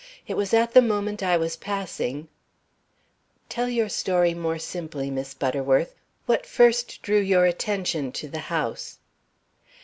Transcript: It was at the moment I was passing " "Tell your story more simply, Miss Butterworth. What first drew your attention to the house?"